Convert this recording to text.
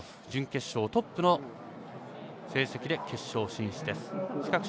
準決勝トップの成績で決勝進出です。